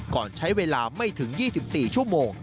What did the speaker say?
ก่อนใช้เวลาไม่ถึง๒๔ชั่วโมง